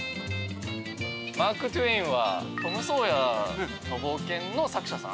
マーク・トウェインは『トム・ソーヤーの冒険』の作者さん？